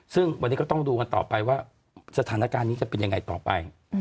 ซึ่งวันนี้ก็ต้องดูกันต่อไปว่าสถานการณ์นี้จะเป็นยังไงต่อไป